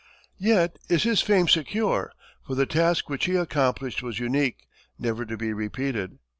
Yet is his fame secure, for the task which he accomplished was unique, never to be repeated.